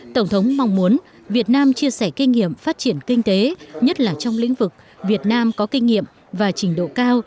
tổng thống mong muốn việt nam chia sẻ kinh nghiệm phát triển kinh tế nhất là trong lĩnh vực việt nam có kinh nghiệm và trình độ cao